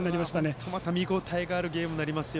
本当、また見応えがあるゲームになりますよ。